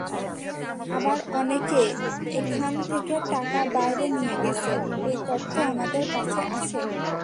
আবার অনেকে এখান থেকে টাকা বাইরে নিয়ে গেছেন—এই তথ্য আমাদের কাছে আছে।